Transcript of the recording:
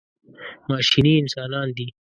ماشیني انسانان دي.